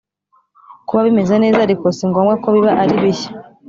kuba bimeze neza ariko si ngombwa ko biba ari bishya